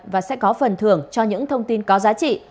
và sẽ có phần thưởng cho những thông tin có giá trị